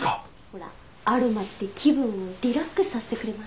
ほらアロマって気分をリラックスさせてくれますし。